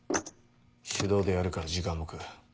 手動でやるから時間も食う。